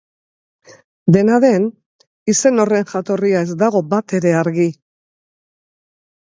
Dena den, izen horren jatorria ez dago batere argi.